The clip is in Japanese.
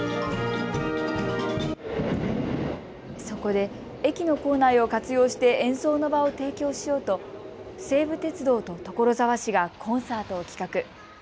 そこで駅の構内を活用して演奏の場を提供しようと西武鉄道と所沢市がコンサートを企画。